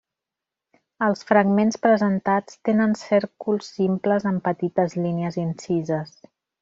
Els fragments presentats tenen cèrcols simples amb petites línies incises.